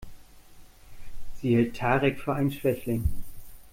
Sie hält Tarek für einen Schwächling.